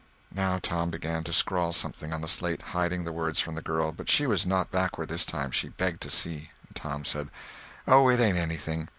Now Tom began to scrawl something on the slate, hiding the words from the girl. But she was not backward this time. She begged to see. Tom said: "Oh, it ain't anything."